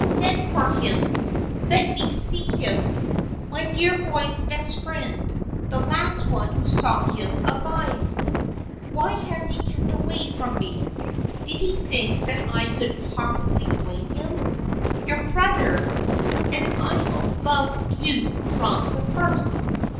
Send for him ! Let me see him ! My dear boy's best friend, the last one who saw him alive ! Why has he kept away from me ? Did he think that I could possibly blame him ? Your brother ! And I have loved you from the first."